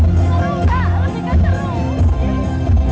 ini berarti yang kesurupan ya dua duanya